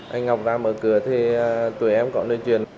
anh ngọc ra mở cửa thì tụi em có nơi chuyển